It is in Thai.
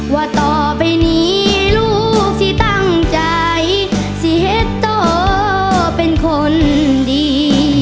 ว่าต่อไปนี้ลูกสิตั้งใจสิเหตุโตเป็นคนดี